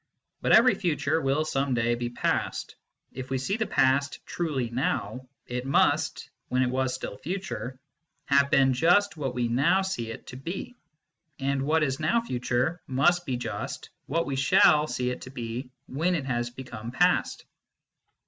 But every future will some day be past : if we see the past truly now, it must, when it was still future, have been just what we now see it to be, and what is now future must be just what we shall see it to be when it has become past.